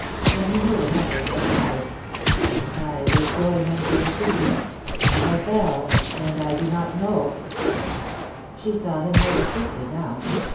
Then he made an effort, and added : was going into the city. I fell, and I do not know —" She saw him more distinctly now.